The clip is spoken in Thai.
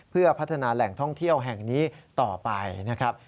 เพื่อพัฒนาแหล่งท่องเที่ยวแห่งนี้ต่อไปนะครับ